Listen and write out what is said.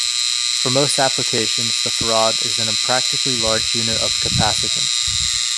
For most applications, the farad is an impractically large unit of capacitance.